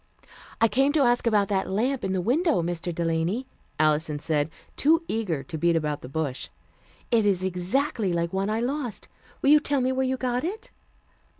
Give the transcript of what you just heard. "I came to ask about that lamp in the window, Mr. Delany," Alison said, too eager to beat about the bush. "It is exactly like one I lost. Will you tell me where you got it?"